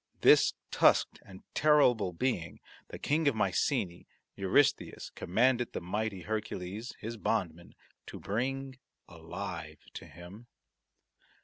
This tusked and terrible being the King of Mycenae, Eurystheus, commanded the mighty Hercules, his bondman, to bring alive to him.